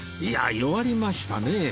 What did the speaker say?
いやあ弱りましたね